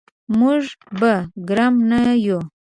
موږ به ګرم نه یو.